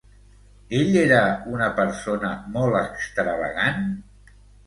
Ella era una persona molt extravagant?